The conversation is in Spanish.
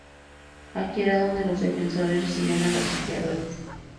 Aquí era donde los defensores recibían a los sitiadores.